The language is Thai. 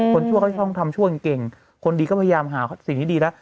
คนชั่วเขาต้องทำชั่วกันเก่งคนดีก็พยายามหาสิ่งดีแล้ว